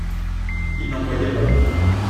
Il n’en voyait pas !